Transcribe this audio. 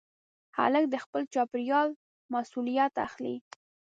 هلک د خپل چاپېریال مسؤلیت اخلي.